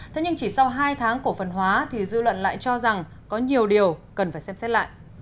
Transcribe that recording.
thế nhưng chỉ sau hai tháng cổ phần hóa thì dư luận lại cho rằng có nhiều điều cần phải xem xét lại